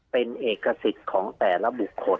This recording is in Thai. เป็นเอกสิทธิ์ของแต่ละบุคคล